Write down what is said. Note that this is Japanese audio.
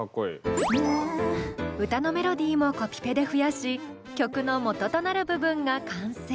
歌のメロディーもコピペで増やし曲の元となる部分が完成！